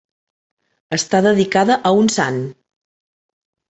Està dedicada a un sant.